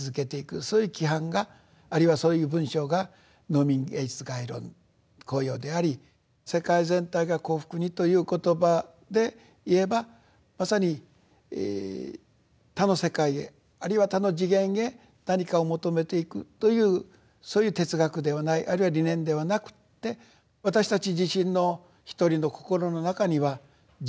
そういう規範があるいはそういう文章が「農民芸術概論綱要」であり世界全体が幸福にという言葉でいえばまさに他の世界へあるいは他の次元へ何かを求めていくというそういう哲学ではないあるいは理念ではなくて私たち自身の一人の心の中には地獄餓鬼畜生の悪もあります。